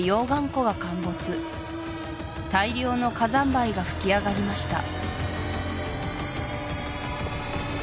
湖が陥没大量の火山灰が噴き上がりました